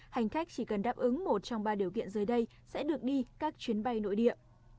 hành khách chỉ cần đáp ứng một trong ba điều kiện dưới đây sẽ được đi các chuyến bay nội địa